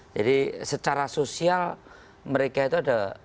jadi secara sosial mereka itu ada